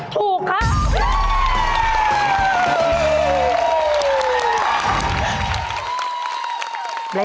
ถูกครับ